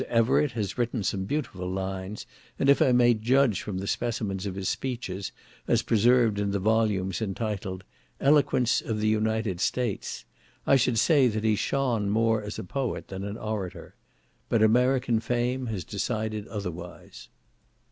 Everett has written some beautiful lines, and if I may judge from the specimens of his speeches, as preserved in the volumes intitled "Eloquence of the United States," I should say that he shone more as a poet than an orator. But American fame has decided otherwise.